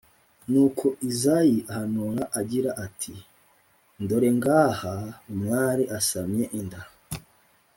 nuko izayi ahanura agira ati:”dorengaha umwari asamye inda,